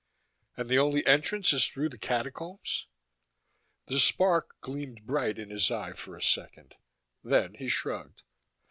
"And the only entrance is through the Catacombs?" The spark gleamed bright in his eye for a second. Then he shrugged.